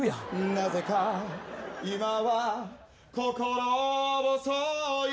「なぜか今は心細い」